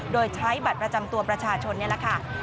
โดยใช้บัตรประจำตัวประชาชนนี่แหละค่ะ